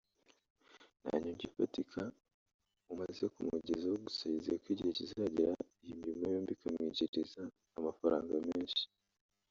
nta nyungu ifatika umaze kumugezaho gusa yizeye ko igihe kizagera iyi mirimo yombi ikamwinjiriza amafaranga menshi